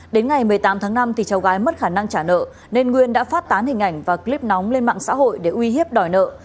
đến ngày một mươi tám tháng năm thì cháu gái mất khả năng trả nợ nên nguyên đã phát tán hình ảnh và clip nóng lên mạng xã hội để uy hiếp đòi nợ